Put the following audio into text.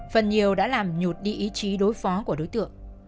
phần nhiều đã làm nhụt đi ý chí đối phó của đối tượng